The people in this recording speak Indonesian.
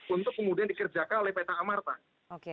untuk kemudian dikerjakan oleh pt amartak